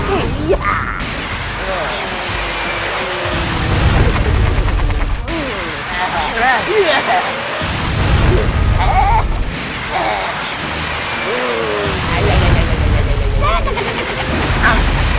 nenek bisa kisut dong